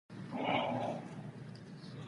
مېلې د هېواد د فرهنګي ژوند یوه نخښه ده.